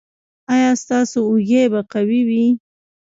ایا ستاسو اوږې به قوي وي؟